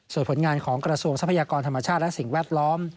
ส่วนผลงานของกระทรวงทรัพยากรธรรมชาติและสิ่งแวดล้อม